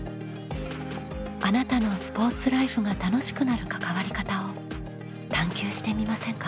あなたのスポーツライフが楽しくなる関わり方を探究してみませんか？